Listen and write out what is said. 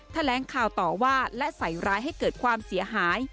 แถลงข่าวต่อว่าและใส่ร้ายให้เกิดความเสียหาย